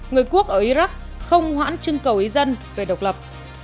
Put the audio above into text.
người quốc ở iraq không hoãn chương cầu ý dân về độc lập